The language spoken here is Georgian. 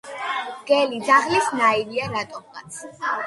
მგელი ძაღლის ნაირია რატომღაც